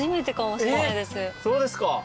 そうですか。